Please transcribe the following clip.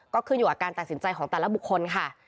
ก็ขึ้นอยู่กับการตัดสินใจของแต่ละบุคคลค่ะ